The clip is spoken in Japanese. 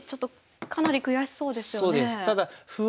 かなり悔しそうですよねえ。